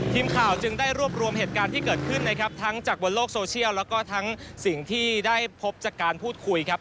ทีมข่าวจึงได้รวบรวมเหตุการณ์ที่เกิดขึ้นนะครับทั้งจากบนโลกโซเชียลแล้วก็ทั้งสิ่งที่ได้พบจากการพูดคุยครับ